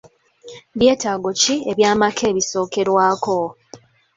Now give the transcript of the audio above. Byetaago ki eby'amaka ebisookerwako?